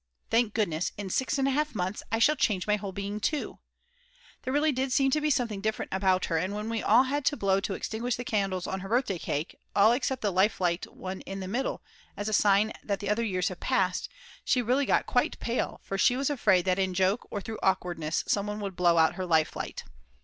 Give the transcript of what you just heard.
Thank goodness, in 6 1/2 months I shall change my whole being too. There really did seem to be something different about her, and when we all had to blow to extinguish the candles on her birthday cake, all except the life light in the middle, as a sign that the other years have passed, she really got quite pale, for she was afraid that in joke or through awkwardness some one would blow out her life light.